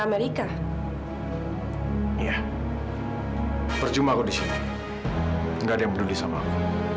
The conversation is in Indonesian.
amerika iya percuma aku di sini enggak ada yang peduli sama aku